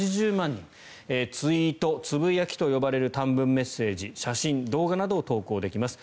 ツイート、つぶやきと呼ばれる短文メッセージ写真・動画などを投稿できます。